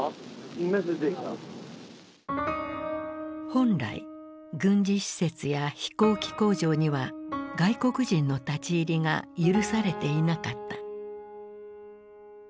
本来軍事施設や飛行機工場には外国人の立ち入りが許されていなかった。